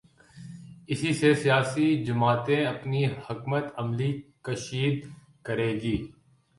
اسی سے سیاسی جماعتیں اپنی حکمت عملی کشید کریں گی۔